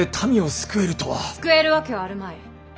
救えるわけはあるまい。